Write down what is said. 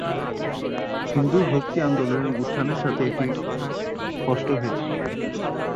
হিন্দু ভক্তি আন্দোলনের উত্থানের সাথে এটি স্পষ্ট হয়েছিল।